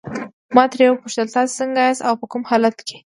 ما ترې وپوښتل تاسي څنګه یاست او په کوم حالت کې.